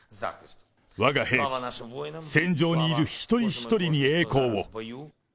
わが兵士、戦場にいる一人一人に栄光を。